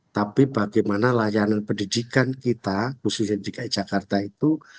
tapi bagaimana layanan pendidikan kita khususnya dki jakarta itu